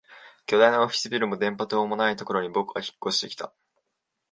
巨大なオフィスビルも電波塔もないところに僕は引っ越してきた